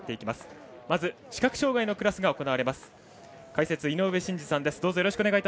まず視覚障がいのクラスが